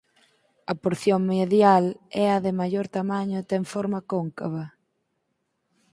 A porción medial é a de maior tamaño e ten forma cóncava.